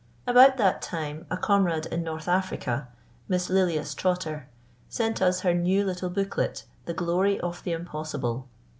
About that time a comrade in North Africa, Miss Lilias Trotter, sent us her new little booklet, "The Glory of the Impossible."